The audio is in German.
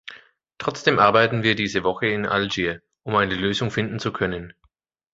Trotzdem arbeiten wir diese Woche in Algier, um eine Lösung finden zu können.